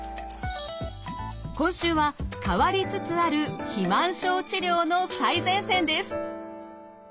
今週は変わりつつある肥満症治療の最前線です。